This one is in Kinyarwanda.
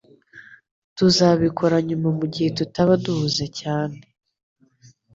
Tuzabikora nyuma mugihe tutaba duhuze cyane.